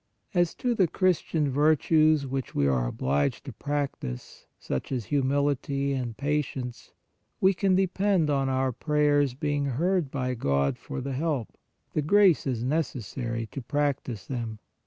As to the Christian virtues which we are obliged to practise, such as humility and patience, we can depend on our prayers being heard by God for the help, the graces necessary to practise them.